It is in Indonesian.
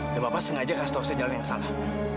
dan bapak sengaja kasih tahu saya jalan yang salah